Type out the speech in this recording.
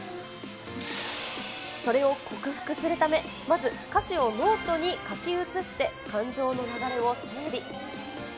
それを克服するため、まず歌詞をノートに書き写して、感情の流れを整理。